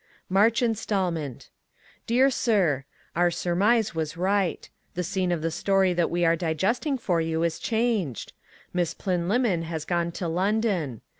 MARCH INSTALMENT Dear Sir: Our surmise was right. The scene of the story that we are digesting for you is changed. Miss Plynlimmon has gone to London.